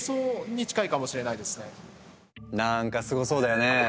なんかすごそうだよね？